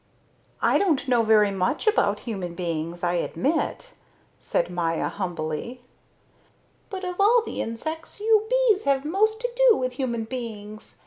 "I don't know very much about human beings, I admit," said Maya humbly. "But of all the insects you bees have most to do with human beings.